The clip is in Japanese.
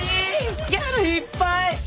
ギャルいっぱい。